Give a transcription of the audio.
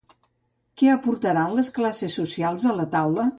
Què aporten les classes socials a la taula ?